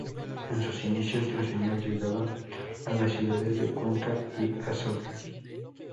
En sus inicios, la señal llegaba a las ciudades de Cuenca y Azogues.